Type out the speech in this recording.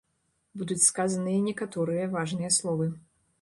Будуць сказаныя некаторыя важныя словы.